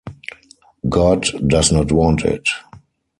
God does not want it!